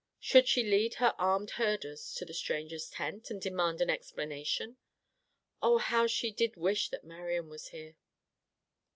Should she lead her armed herders to the stranger's tent and demand an explanation? Oh, how she did wish that Marian was here!